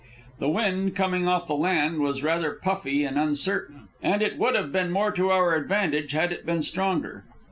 The wind, coming off the land, was rather puffy and uncertain, and it would have been more to our advantage had it been stronger.